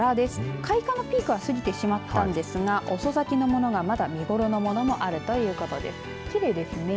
開花のピークは過ぎてしまったんですが遅咲きのものがまだ見頃のものもあるということです。